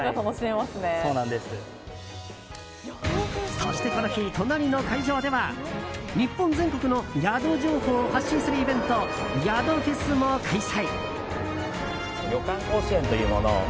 そしてこの日、隣の会場では日本全国の宿情報を発信するイベント宿フェスも開催。